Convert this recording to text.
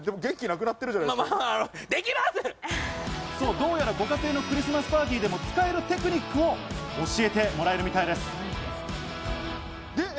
どうやらご家庭のクリスマスパーティーでも使えるテクニックを教えてもらえるようです。